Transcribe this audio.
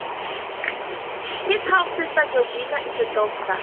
His half-sister, Georgina, is a doctor.